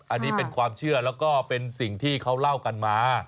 อันนี้เป็นความเชื่อแล้วก็เป็นสิ่งที่เขาเล่ากันมา